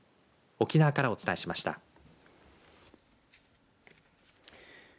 沖縄からお伝えしました。